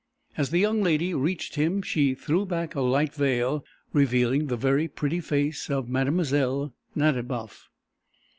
As the young woman reached him she threw back a light veil, revealing the very pretty face of Mlle. Nadiboff.